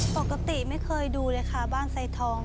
ปกติไม่เคยดูเลยค่ะบ้านไซทอง